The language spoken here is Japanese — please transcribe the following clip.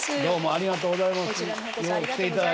ありがとうございます。